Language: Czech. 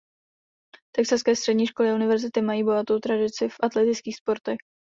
Texaské střední školy a univerzity mají bohatou tradici v atletických sportech.